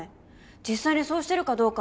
実際にそうしてるかどうか。